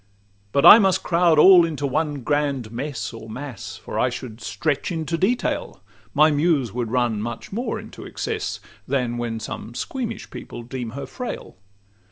But I must crowd all into one grand mess Or mass; for should I stretch into detail, My Muse would run much more into excess, Than when some squeamish people deem her frail.